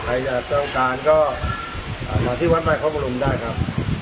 ใครจะต้องการก็มาที่วัดใหม่พบลุ้มได้ครับ